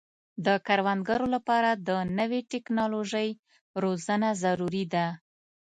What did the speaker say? د کروندګرو لپاره د نوې ټکنالوژۍ روزنه ضروري ده.